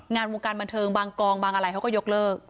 งานวงการบันเทิงบางกองบางอะไรเขาก็ยกเลิก